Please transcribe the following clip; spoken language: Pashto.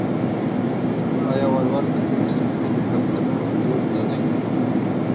آیا ولور په ځینو سیمو کې د پښتنو دود نه دی؟